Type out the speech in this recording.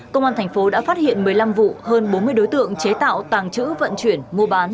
công an thành phố đã phát hiện một mươi năm vụ hơn bốn mươi đối tượng chế tạo tàng trữ vận chuyển mua bán